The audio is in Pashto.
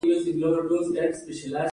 هغوی یوځای د محبوب سرود له لارې سفر پیل کړ.